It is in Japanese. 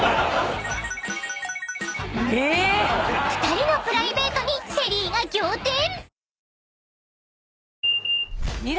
［２人のプライベートにＳＨＥＬＬＹが仰天］